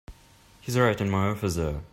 He's right in my office there.